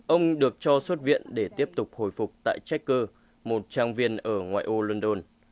ông được cho xuất viện để tiếp tục hồi phục tại checker một trang viên ở ngoại ô london